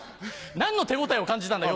何の手応えを感じたんだ？